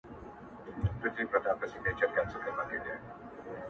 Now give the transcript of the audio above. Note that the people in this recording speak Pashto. پـــه دغـــه كـــوچــنــــي اخـــتــــــــره.